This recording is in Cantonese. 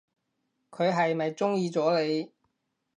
佢係咪中意咗你？